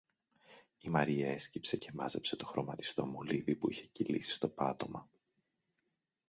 Η Μαρία έσκυψε και μάζεψε το χρωματιστό μολύβι που είχε κυλήσει στο πάτωμα